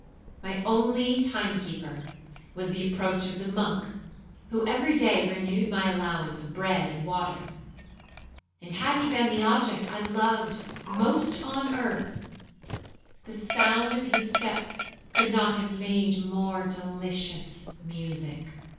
My only time keeper was the approach of the monk, who every day renewed my allowance of bread and water; and had he been the object I loved most on earth, the sound of his steps could not have made more delicious music.